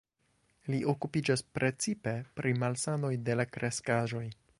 Li okupiĝas precipe pri malsanoj de la kreskaĵoj.